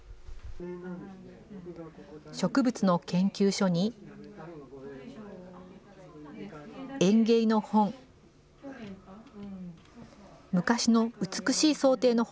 植物の研究書に、園芸の本。